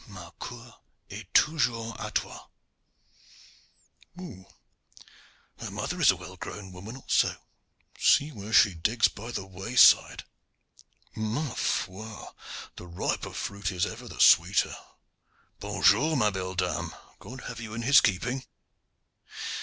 mon coeur est toujours a toi. Her mother is a well grown woman also. See where she digs by the wayside. Ma foi! the riper fruit is ever the sweeter. Bon jour, ma belle dame! God have you in his keeping!